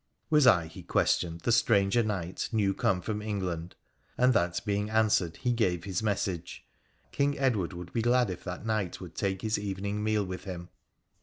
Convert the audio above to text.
Was I, he questioned, the stranger knight new come from England, and, that being answered, he gave his message :' King Edward would be glad if that knight would take Iris evening meal with him